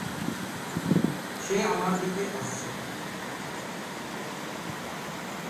সে আমার দিকে আসছে।